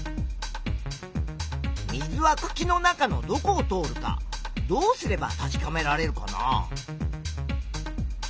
水はくきの中のどこを通るかどうすれば確かめられるかな？